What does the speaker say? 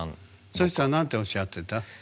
そしたら何ておっしゃってた？